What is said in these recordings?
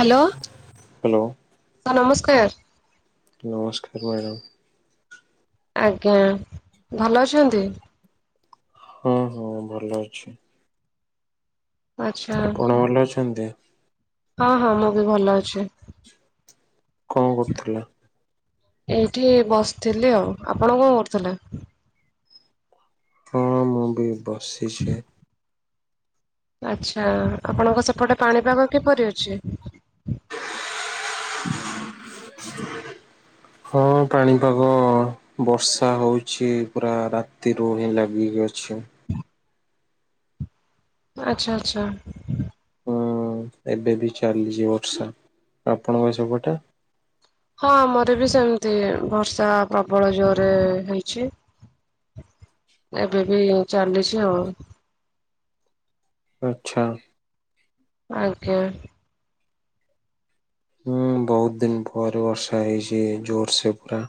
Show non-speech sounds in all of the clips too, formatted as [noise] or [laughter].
Hello hello sir ନମସ୍କାର। ନମସ୍କାର madam. ଆଜ୍ଞା। ଭଲ ଅଛନ୍ତି ହଁ ହଁ ଭଲ ଅଛି। ଆଚ୍ଛା ଆପଣ ଭଲ ଅଛନ୍ତି? ହଁ ହଁ ମୁଁ ବି ଭଲ ଅଛି। କଣ କରୁଥିଲ? ଏଇଠି ବସିଥିଲି ଆଉ। ଆପଣ କଣ କରୁଥିଲେ? ହଁ ମୁଁ ବି ବସିଚି। ଆଚ୍ଛା ଆପଣଙ୍କ ସେପଟେ ପାଣିପାଗ କିପରି ଅଛି? ହଁ ପାଣି ପାଗ ବର୍ଷା ହଉଚି ପୁରା ରାତିରୁ ହିଁ ଲାଗିକି ଅଛି ଆଚ୍ଛା ଆଚ୍ଛା। ହୁଁ ଏବେ ବି ଚାଲିଚି ବର୍ଷା ଆପଣଙ୍କ ସେପଟେ? ହଁ ଆମର ବି ସେମିତି ବର୍ଷା ପ୍ରବଳ ଜୋରରେ ହେଇଚି ଏବେ ବି ଚାଲିଚି ଆଉ ଆଚ୍ଛା। ଆଜ୍ଞା। ହୁଁ ବହୁତ ଦିନ ପରେ ବର୍ଷା ହେଇଚି ଜୋର୍ ସେ ପୁରା।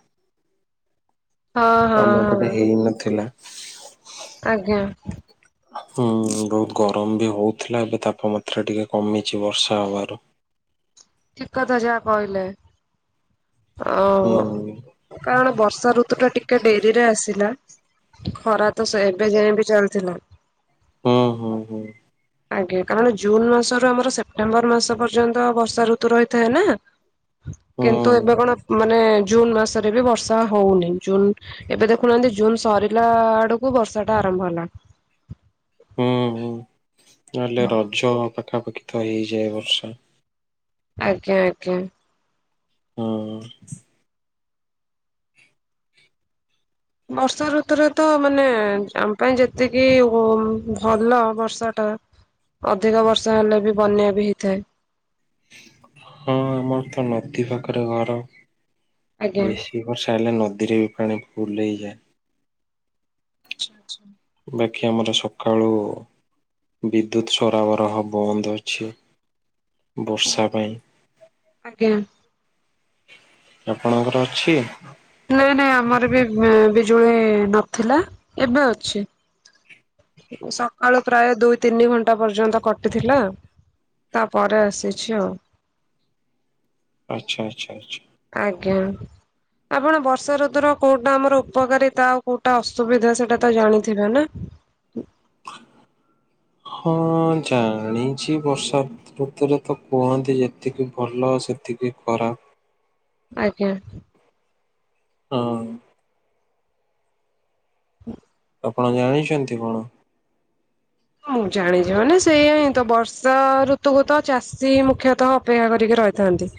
ହଁ ହଁ ଆମେ ହଁ। ଏପଟେ ହେଇନଥିଲା। ଆଜ୍ଞା। ହୁଁ ବହୁତ ଗରମ ବି ହଉଥିଲା ଏବେ ତାପମାତ୍ରା ଟିକେ କମିଚି ବର୍ଷା ହବାରୁ। ଠିକ୍ କଥା ଯାହା କହିଲେ ଅ ହୁଁ କାରଣ ବର୍ଷା ଋତୁ ଟା ଟିକେ ଡେରିରେ ଆସିଲା। ଖରା ତ ସେ ଏବେ ଯାଏ ବି ଚାଲିଥିଲା। ହୁଁ ହୁଁ ହୁଁ ଆଜ୍ଞା କାରଣ ଜୁନ୍ ମାସରୁ ଆମର ସେପ୍ଟେମ୍ବର ମାସ ପର୍ଯ୍ୟନ୍ତ ବର୍ଷା ଋତୁ ରହିଥାଏ ନା? ହୁଁ କିନ୍ତୁ ଏବେ କଣ ମାନେ ଜୁନ୍ ମାସରେ ବି ବର୍ଷା ହଉନେଇଁ। ଜୁନ ଏବେ ଦେଖୁନାହାନ୍ତି। ଜୁନ ସରିଲା ଆଡକୁ ବର୍ଷା ଟା ଆରମ୍ଭ ହେଲା। ହୁଁ ହୁଁ ନହେଲେ ରଜ ପାଖାପାଖି ତ ହେଇଯାଏ ବର୍ଷା। ଆଜ୍ଞା ଆଜ୍ଞା। ହୁଁ। ବର୍ଷା ଋତୁରେ ତ ମାନେ ଆମ ପାଇଁ ଯେତିକି ଓ ଭଲ ବର୍ଷା ଟା ଅଧିକ ବର୍ଷ ହେଲେ ବି ବନ୍ୟା ବି ହେଇଥାଏ। ହଁ ଆମର ତ ନଦୀ ପାଖରେ ଘର ଆଜ୍ଞା। ବେଶୀ କେ ବର୍ଷା ହେଲେ ନଦୀରେ ବି ପାଣି ଫୁଲ ହେଇଯାଏ। ଆଚ୍ଛା ଆଚ୍ଛା। ବାକି ଆମର ସକାଳୁ ବିଦ୍ୟୁତ୍ ସରାବର ହବ ବନ୍ଦ ଅଛି। ବର୍ଷା ପାଇଁ। ଆଜ୍ଞା ଆପଣଙ୍କର ଅଛି? ନାଇଁ ନାଇଁ ଆମର ବି ଉଁ ବିଜୁଳି ନଥିଲା ଏବେ ଅଛି। ଉଁ ସକାଳୁ ପ୍ରାୟେ ଦୁଇ ତିନି ଘଣ୍ଟା ପର୍ଯ୍ୟନ୍ତ କଟିଥିଲା। ତାପରେ ଆସିଛି ଆଉ। ଆଚ୍ଛା ଆଚ୍ଛା ଆଚ୍ଛା। ଆଜ୍ଞା। ଆପଣ ବର୍ଷା ଋତୁର କୋଉଟା ଆମର ଉପକାରିତା ଆଉ କୋଉଟା ଅସୁବିଧା ସେଟା ତ ଜାଣିଥିବେ ନା? ହଁ ଜାଣିଛି ବର୍ଷା ଋତୁରେ ତ କୁହନ୍ତି ଯେତିକି ଭଲ ସେତିକି ଖରାପ। ଆଜ୍ଞା। ହଁ। ହୁଁ। ଆପଣ ଜାଣିଛନ୍ତି କଣ? ହଁ ମୁଁ ଜାଣିଛି ମାନେ ସେଇଆ ହିଁ ତ ବର୍ଷା ଋ ଋତୁ କୁ ତ ଚାଷୀ ମୁଖ୍ୟତଃ ଅପେକ୍ଷା କରିକି ରହିଥାନ୍ତି।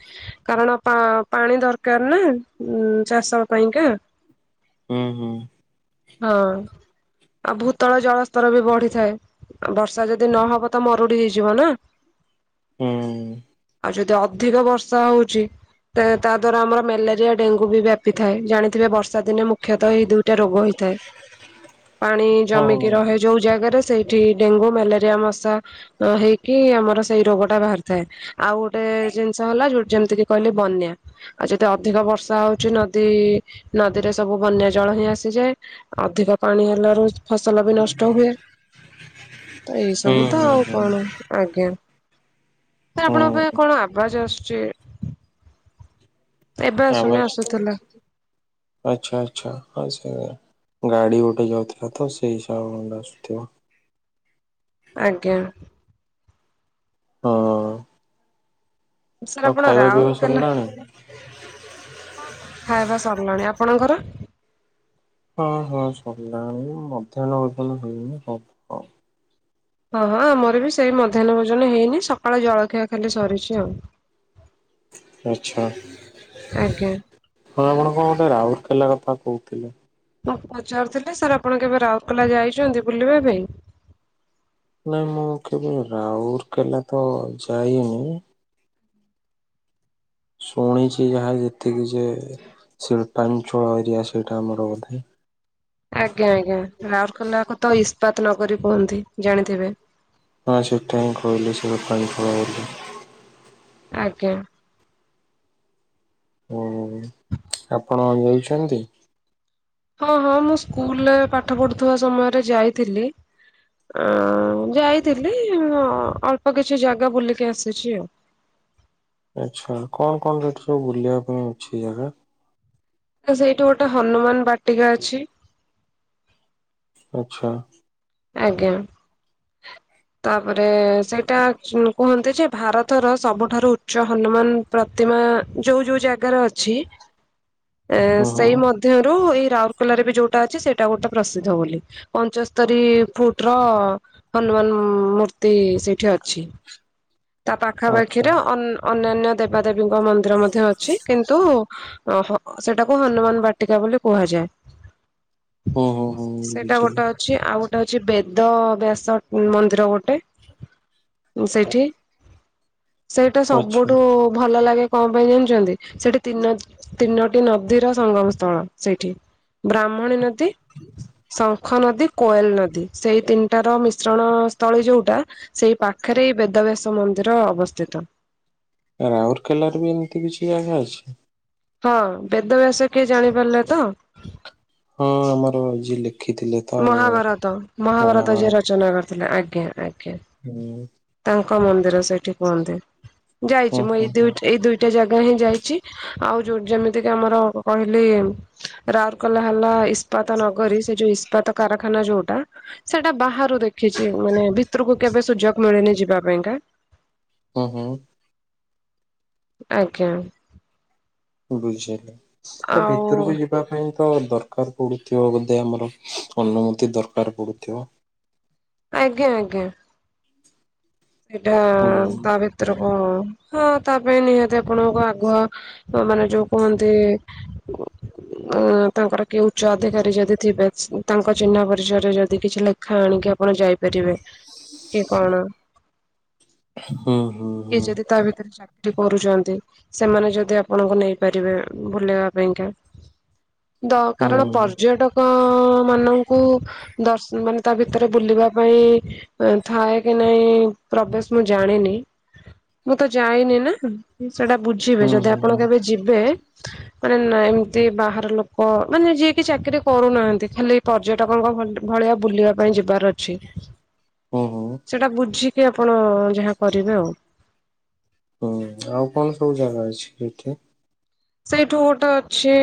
କାରଣ ପା ପାଣି ଦରକାର ନା ଉଁ ଚାଷ ପାଇଁକା। ହୁଁ ହୁଁ। ହଁ। ଆଉ ଭୂତଳ ଜଳସ୍ତର ବି ବଢିଥାଏ ବର୍ଷା ଯଦି ନହବ ତ ମରୁଡି ହେଇଯିବ ନା? [inaudible] ହୁଁ। ଆଉ ଯଦି ଅଧିକ ବର୍ଷା ହଉଛି ଏ ତା ଦ୍ଵାରା ଆମର ମ୍ୟାଲେରିଆ ଡେଙ୍ଗୁ ବି ବ୍ୟାପିଥାଏ। ଜାଣିଥିବେ ବର୍ଷା ଦିନେ ମୁଁ ମୁଖ୍ୟତଃ ଏଇ ଦୁଇଟା ରୋଗ ହେଇଥାଏ ପାଣି ଜମିକି ହଁ। ରହେ। ଯୋଉ ଜାଗାରେ ସେଇଠି ଡେଙ୍ଗୁ ମ୍ୟାଲେରିଆ ମଶା ଅ ହେଇକି ଆମର ସେଇ ରୋଗଟା ବାହାରି ଥାଏ। ଆଉ ଗୋଟେ ଜିନିଷ ହେଲା ଯୋଉ ଯେମିତି କିି କହିଲେ ବନ୍ୟା। ଆଉ ଯଦି ଅଧିକ ବର୍ଷା ହଉଛି ନଦୀ ନଦୀରେ ସବୁ ବନ୍ୟା ଜଳ ହିଁ ଆସିଯାଏ। ଅଧିକ ପାଣି ହେଲାରୁ ଫସଲ ବି ନଷ୍ଟ ହୁଏ ତ ଏଇ ହୁଁ ସବୁ ତ ହୁଁ ଆଉ ହୁଁ କଣ। ଆଜ୍ଞା। ଏ ଆପଣଙ୍କ ହୁଁ ପାଖେ କଣ ଆବାଜ ଆସୁଛି? ଏବେ ଆସୁନି ଆବାଜ। ଆସୁଥିଲା। ଆଚ୍ଛା ଆଚ୍ଛା ହଁ ସେୟା ଗାଡ଼ି ଗୋଟେ ଯାଉଥିଲା ତ ସେଇ ସାଉଣ୍ଡ ଆସୁଥିବ। ଆଜ୍ଞା। ହଁ। ସାର୍ ଆପଣ ପିଇବା ରାଉର କେଲା। ସରିଲାଣି? ଖାଇବା ସରିଲାଣି ଆପଣଙ୍କର। ହଁ ହଁ ସରିଲାଣି ମଧ୍ୟାହ୍ନ ଭୋଜନ ହେଇନି ହବ। ହଁ ହଁ ଆମର ବି ସେଇ ମଧ୍ୟାହ୍ନ ଭୋଜନ ହେଇନି ସକାଳ ଜଳଖିଆ ଖାଲି ସରିଛି ଆଉ। ଆଚ୍ଛା। ଆଜ୍ଞା। ହଁ ଆପଣ କଣ ଗୋଟେ ରାଉଲକେଲା କଥା କହୁଥିଲେ। ମୁଁ ପଚାରୁଥିଲି ସାର୍ ଆପଣ କେବେ ରାଉରକେଲା ଯାଇଛନ୍ତି ବୁଲିବା ପାଇଁ? ନାଇଁ ମୁଁ କେବେ ରାଉରକେଲା ତ ଯାଇନି। ଶୁଣିଛି ଯାହା ଯେତିକି ଯେ ଶିଳ୍ପାଞ୍ଚଳ ଏରିଆ ସେଇଟା ଆମର ବଧେ। ଆଜ୍ଞା ଆଜ୍ଞା ରାଉରକେଲା କୁ ତ ଇସ୍ପାତ ନଗରୀ କୁହନ୍ତି ଜାଣିଥିବେ। ହଁ ସେଟା ମୁଁ କହିଲି ସେ ପାଣି [unintelligible] ଆଜ୍ଞା। ଉଁ ହୁଁ ଆପଣ ଯାଇଛନ୍ତି। ହଁ ହଁ ମୁଁ ସ୍କୁଲରେ ପାଠ ପଢୁଥିବା ସମୟରେ ଯାଇଥିଲି। ଅ ଯାଇଥିଲି ଅଁ ଅଳ୍ପ କିଛି ଜାଗା ବୁଲିକି ଆସିଛି ଆଉ। ଆଚ୍ଛା। କଣ କଣ ସେଠି ସବୁ ବୁଲିବା ପାଇଁ ଅଛି ଜାଗା? ତ ସେଇଠି ଗୋଟେ ହନୁମାନ ବାଟିକା ଅଛି। ଆଚ୍ଛା। ଆଜ୍ଞା। ତାପରେ ସେଇଟା ଉଁ କୁହନ୍ତି ଯେ ଭାରତର ସବୁଠାରୁ ଉଚ୍ଚ ହନୁମାନ। ପ୍ରତିମା ଯୋଉ ଯୋଉ ଜାଗାର ଅଛି। ଏ ହୁଁ ସେଇ ହୁଁ ମଧ୍ୟରୁ ଏଇ ରାଉରକେଲାରେ ବି ଯୋଉଟା ଅଛି ସେଇଟା ଗୋଟେ ପ୍ରସିଦ୍ଧ ବୋଲି ପଞ୍ଚସ୍ତ ରି ଫୁଟ ର ହନୁମାନ ଉଁ ମୂର୍ତ୍ତି ସେଇଠି ଅଛି। ତା ଆଚ୍ଛା ପାଖାପାଖିରେ ଅନ ଅନ୍ୟାନ୍ୟ ଦେବାଦେବୀଙ୍କ ମନ୍ଦିର ମଧ୍ୟ ଅଛି କିନ୍ତୁ। ଅ ହଁ ସେଟାକୁ ହନୁମାନ ବାଟିକା ବୋଲି କୁହାଯାଏ। ହୁଁ ହୁଁ ସ ହୁଁ ସେଇଟା ବୁଝିଲି ଗୋଟେ ଅ ଅଛି ଆଉ ଗୋଟେ ଅଛି ବେଦ ବ୍ୟାସ ଉଁ ମନ୍ଦିର ଗୋଟେ ଉଁ ସେଇଠି। ସେଇଟା ଆଚ୍ଛା। ସବୁଠୁ ଭଲ ଲାଗେ କଣ ପାଇଁ ଜାଣିଛନ୍ତି ସେଇଠି ତିନ ତିନୋଟି ନଦୀର ସଂଙ୍ଗମ ସ୍ଥଳ ସେଇଠି ବ୍ରାହ୍ମଣୀ ନଦୀ ସ ଶଙ୍ଖ ନଦୀ, କୋଏଲ ନଦୀ ସେଇ ତିନିଟାର ମିଶ୍ରଣ ସ୍ଥଳୀ ଯଉଟା। ସେଇ ପାଖରେ ବେଦ ବ୍ୟାସ ମନ୍ଦିର ଅବସ୍ଥିତ। ରାଉରକେଲାର ବି ଏମିତି କିଛି ଜାଗା ଅଛି। ହଁ ବେଦ ବ୍ୟାସ କିଏ ଜାଣିପାରିଲେ ତ? ହଁ ଆମର ଯିଏ ଲେଖିଥିଲେ। ତ ମହାଭାରତ ମହାଭାରତ ଯିଏ ରଚନା କରିଥିଲେ। ଆଜ୍ଞା ଆଜ୍ଞା। ହୁଁ। ତାଙ୍କ ମନ୍ଦିର ସେଇଠି କୁହନ୍ତି ଯାଇଛି ହୁଁ ମୁଁ ଏଇ ହୁଁ ହୁଁ ଦୁଇ ଦୁଇଟା ଜାଗା ହିଁ ଯାଇଛି। ଆଉ ଯୋଉ ଯେମିତି କି ଆମର କ-କହିଲି ରାଉର କେଲା ହେଲା ଇସ ପତା ନ କରି ସେ ଯୋ କାରଖାନା ଯୋଉଟା ସେଇଟା ବାହାରୁ ଦେଖିଛି ମାନେ ଭିତରକୁ କେବେ ସୁଯୋଗ ମରନେ ଯିବା ପାଇଁକାା ଓହୋ ଆଜ୍ଞା ବୁଝିଲେ ତା ଆଉ ଭିତରକୁ ଯ ପାଇଁ ତ ଦରକାର ପଡୁଥିବ ବୋଧେ ଆମର ଅନୁମତି ଦରକାର ପଡୁଥିବ ଆଜ୍ଞା ଆଜ୍ଞା ସେଇଟା ହୁଁ ତାବ ୍ର କଣ ହଁ ତା ପାଇଁ ନିହାତି ଆପଣଙ୍କ ଆଗୁଆ ମାନେ ଯୋଉ କୁହନ୍ତି [inaudible] ଉ ତାଙ୍କର କି ଉଚ୍ଚ ଅଧିକାରୀ ଯଦି ଥିବେ ତାଙ୍କ ଚିହ୍ନ ପରିଚୟ ରେ ଯଦି କିଛି ଲ ପାଖା ଆଣିକି ଆପଣ ଯାଇପାରିବେ କି କଣ ହୁଁ ହୁଁ ଏ ହୁଁ ଯଦି ତା ଭିତରେ ଚାକିରି କରୁଛନ୍ତି ସେମାନେ ଯଦି ଆପଣଙ୍କୁ ନେଇପାରିବେ ବୁଲେଇବା ପାଇଁକା। ଦ ହୁଁ କାରଣ ପର୍ଯ୍ୟଟକମାନଙ୍କୁ ଦର୍ଶନ ମାନେ ତା ଭିତରେ ବୁଲିବା ପାଇଁ ଥାଏ କି ନାଇଁ। ପ୍ରବେଶ ମୁଁ ଜାଣିନି ମୁଁ ତ ଯାଇନି ନା ସେଇଟା ବୁଝ ଯିବେ ହୁଁ ଯଦି ହୁଁ ଆପଣ ହୁଁ କେବେ ଯିବେ ମାନେ ନା ଏମିତି ବାହାର ଲୋକ ମାନେ ଯିଏକି ଚାକିରି କରୁନାହାନ୍ତି ଖାଲି ପର୍ଯ୍ୟଟକଙ୍କ ଭଳିଆ ବୁଲିବା ପାଇଁ ଯିବାର ଅଛି। ଓହୋ। ସେଇଟା ବୁଝିକି ଆପଣ ଯାହା କରିବେ ଆଉ। ହୁଁ। ଆଉ କଣ ସବୁ ଜାଗା ଅଛି ଏଠେ? ସେଇଠୁ ଗୋଟେ ଅଛି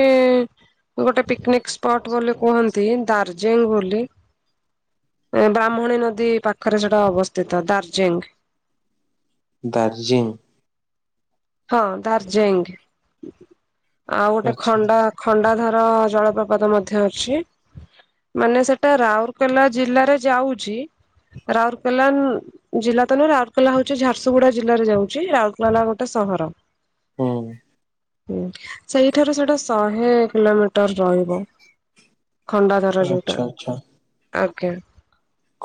ଗୋଟେ ପିକନିକ ସ୍ପଟ ବୋଲି କୁହନ୍ତି ଦାର୍ଜିଲିଂ ବୋଲି। ବ୍ରାହ୍ମଣୀ ନଦୀ ପାଖରେ ସେଟା ଅବସ୍ଥିତ ଦାର୍ଜିଲିଂ। ଦାର୍ଜିଂ? ହଁ ଦାର୍ଜିଲିଂ ଆଉ ଗୋଟେ ଆଚ୍ଛା। ଖଣ୍ଡା ଖଣ୍ଡାଧର ଜଳପ୍ରପାତ ମଧ୍ୟ ଅଛି। ମାନେ ସେଟା ରାଉରକେଲା ଜିଲ୍ଲାରେ ଯାଉଛି। ରାଉରକେଲା ଜିଲ୍ଲା ତ ନୁହେଁ ରାଉରକେଲା ହଉଛି ଝାରସୁଗୁଡା ଜିଲ୍ଲାରେ ଯାଉଛି ରାଉରକେଲା। ଗୋଟେ ସହର। ହଁ। ହୁଁ ସେଇଠାରୁ ସେଇଟା ଶହେ କିଲୋମିଟର ରହିବ। ଖଣ୍ଡାଧର ଯଉଟା ଆଚ୍ଛା ଆଜ୍ଞା।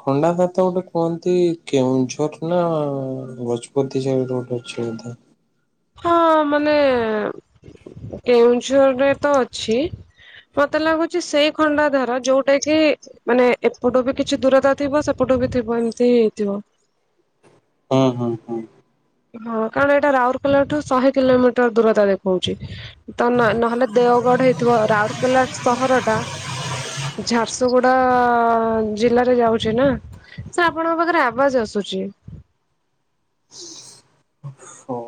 ଖଣ୍ଡାଧର ତ ଗୋଟେ କୁହନ୍ତି କେଉଁଝର ନା ଗଜପତି ଯାଏଁ ଗୋଟେ ଥାଏ। ହଁ ମାନେ କେଉଁଝରରେ ତ ଅଛି। ମତେ ଲାଗୁଛି ସେଇ ଖଣ୍ଡା ଧାର ଯୋଉଟା କି ମାନେ ଏପଟୁ ବି କିଛି ଦୂରତା ଥିବ ସେପଟୁ ବି ଥିବ ଏମିତି ହିଁ ହେଇଥିବ। ହଁ ହଁ ହଁ। ହଁ କାରଣ ଏଇଟା ରାଉରକେଲାଠୁ ଶହେ କିଲୋମିଟର ଦୂରତା ଦେଖଉଛି। ତ ନହେଲେ ଦେଓଗଡ ହେଇଥିବ ରାଉରକେଲା ସହର ଟା। ଝାରସୁଗୁଡା-ଆ-ଆ-ଆ ଜିଲ୍ଲାରେ ଯାଉଛି ନା? ସାର୍ ଆପଣଙ୍କ ପାଖରେ ଆବାଜ ଆସୁଛି। ହଉ।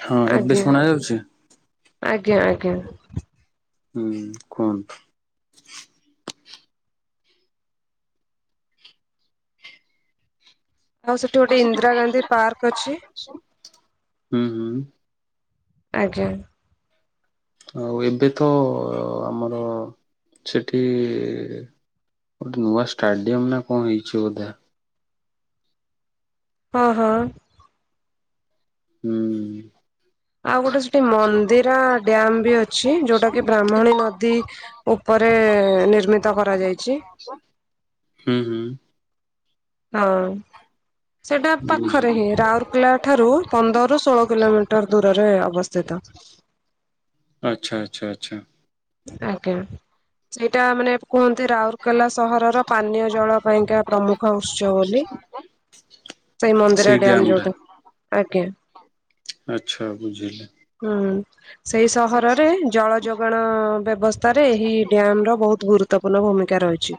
ହଁ ଏବେ ଆଜ୍ଞା। ଶୁଣା ଯାଉଛି? ଆଜ୍ଞା ଆଜ୍ଞା। ହୁଁ କୁହନ୍ତୁ। ଆଉ ସେଠି ଗୋଟେ ଇନ୍ଦିରା ଗାନ୍ଧୀ ପାର୍କ ଅଛି। ହୁଁ ହୁଁ। ଆଜ୍ଞା। ଆଉ ଏବେ ତ-ଅ-ଅ-ଅ ଆମର ସେଠି-ଇ-ଇ-ଇ ଗୋଟେ ନୂଆ ଷ୍ଟାଡିୟମ ନା କଣ ହେଇଛି ବୋଧେ। ହଁ ହଁ। ହୁଁ। ଆଉ ଗୋଟେ ସେଠି ମନ୍ଦିର ଡ୍ୟାମ ବି ଅଛି ଯୋଉଟା କି ବ୍ରାହ୍ମଣୀ ନଦୀ ଉପରେ-ଏ-ଏ-ଏ ନିର୍ମିତ କରାଯାଇଛି। ହୁଁ ହୁଁ। ହଉ। ସେଟା ପାଖରେ ବୁଝିଲି ହିଁ ରାଉରକେଲା ଠାରୁ ପନ୍ଦରରୁ ଷୋହଳ କିଲୋମିଟର ଦୂରରେ ଅବସ୍ଥିତ। ଆଚ୍ଛା ଆଚ୍ଛା ଆଚ୍ଛା। ଆଜ୍ଞା ସେଇଟା ମାନେ କୁହନ୍ତି ରାଉରକେଲା ସହରର ପାନୀୟ ଜଳ ପାଇଁକା ପ୍ରମୁଖ ଉତ୍ସ ବୋଲି? ସାଇ ମନ୍ଦିର ସେଇ ଡ୍ୟାମ ଡ୍ୟାମ୍ ଟା। ଯୋଉଟା ଆଜ୍ଞା। ଆଚ୍ଛା ବୁଝିଲି। ହୁଁ ସେଇ ସହରରେ ଜଳ ଯୋଗାନ୍ ଅ-ଅ-ଅ ବ୍ୟବସ୍ଥାରେ ଏହି ଡ୍ୟାମ୍ ର ବହୁତ ଗୁରୁତ୍ୱପୂର୍ଣ୍ଣ ଭୂମିକା ରହିଛି।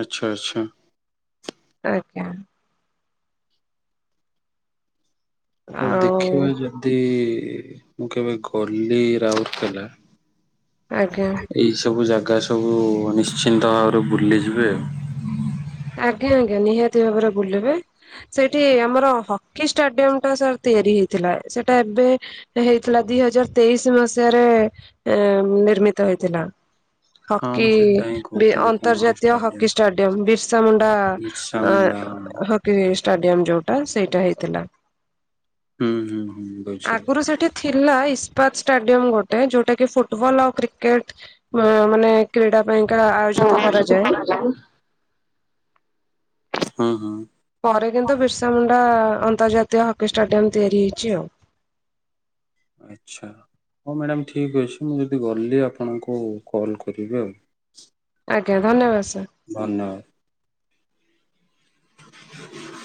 ଆଚ୍ଛା ଆଚ୍ଛା। ଆଜ୍ଞା। ହଉ ଦେଖିବା ଆଉ ଯଦି-ଇ-ଇ-ଇ ମୁଁ କେବେ ଗଲି ରାଉରକେଲା ଆଜ୍ଞା। ଏଇ ସବୁ ଜାଗା ସବୁ-ଉ-ଉ-ଉ ନିଶ୍ଚିନ୍ତ ଭାବରେ ବୁଲିଯିବେ ଆଉ। ଆଜ୍ଞା ଆଜ୍ଞା ନିହାତି ଭାବରେ ବୁଲିବେ। ସେଇଠି ଆମର ହକି ଷ୍ଟାଡିୟମ ଟା ସାର୍ ତିଆରି ହେଇଥିଲା ସେଟା ଏବେ ହେଇଥିଲା ଦି ହଜାର ତେଇଶି ମସିହାରେ-ଏ-ଏ-ଏ ଏ-ଏ ନିର୍ମିତ ହେଇଥିଲା। ହଁ ମୁଁ ସେଟା ହିଁ ହକି-ଇ-ଇ ବି କହୁଥିଲି କଣ ଗୋଟେ ଅନ୍ତର୍ଜାତୀୟ ହକି ଷ୍ଟାଡିୟମ ବିସ୍ ବିର୍ସାମୁଣ୍ଡା ବିର୍ସା ମୁଣ୍ଡା ହଁ। ଆଁ ହକି ଷ୍ଟାଡିୟମ ଯୋଉଟା ସେଇଟା ହେଇଥିଲା। ହୁଁ ହୁଁ ବୁଝିଲି। ଆଗରୁ ସେଠି ଥିଲା ଇସ୍ପାତ ଷ୍ଟାଡିୟମ ଗୋଟେ ଯୋଉଟା କି ଫୁଟବଲ ଆଉ କ୍ରିକେଟ ଉ-ଉ-ଉ ମାନେ କ୍ରୀଡ଼ା ପାଇଁ କା ଆ [inaudible] ହଁ ହଁ। ପରେ କିନ୍ତୁ ବିର୍ସାମୁଣ୍ଡା-ଆ-ଆ-ଆ ଅନ୍ତର୍ଜାତୀୟ ହକି ଷ୍ଟାଡିୟମ ତିଆରି ହେଇଛି ଆଉ। ଆଚ୍ଛା ହଉ ମ୍ୟାଡ଼ାମ୍ ଠିକ୍ ଅଛି। ମୁଁ ଯଦି ଗଲି ଆପଣଙ୍କୁ କଲ୍ କରିବି ଆଉ। ଆଜ୍ଞା ଧନ୍ୟବାଦ ସାର୍। ଧନ୍ୟବାଦ୍। [inaudible]